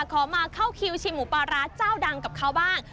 ขอมาเข้าคิวชิมหมูปลาร้าเจ้าดังกับเขาบ้าง